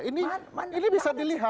ini bisa dilihat